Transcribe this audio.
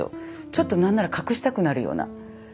ちょっと何なら隠したくなるような。